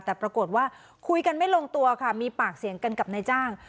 แต่ปรากฏว่าคุยกันไม่ลงตัวค่ะมีปากเสียงกันกับนายจ้าง